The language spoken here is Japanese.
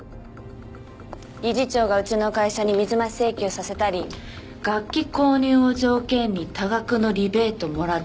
理事長がうちの会社に水増し請求させたり楽器購入を条件に多額のリベートもらってる事。